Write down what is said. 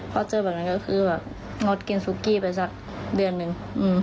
พอเจอแบบนั้นก็คือแบบงดกินซุกกี้ไปสักเดือนหนึ่ง